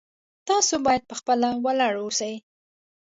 تاسو باید په خپله ولاړ اوسئ